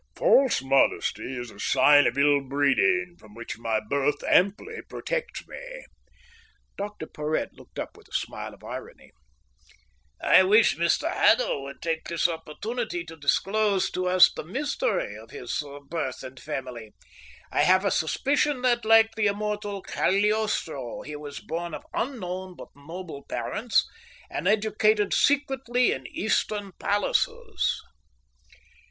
"False modesty is a sign of ill breeding, from which my birth amply protects me." Dr Porhoët looked up with a smile of irony. "I wish Mr Haddo would take this opportunity to disclose to us the mystery of his birth and family. I have a suspicion that, like the immortal Cagliostro, he was born of unknown but noble parents, and educated secretly in Eastern palaces."